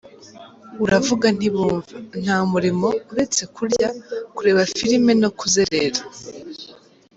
Uravuga ntibumva; nta murimo, uretse kurya, kureba filime no kuzerera!”.